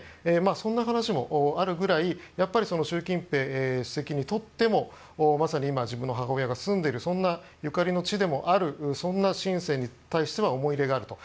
そんな話もあるぐらい習近平主席にとってもまさに今自分の母親が住んでいるそんな、ゆかりの地でもあるシンセンに対しては思い入れがあると。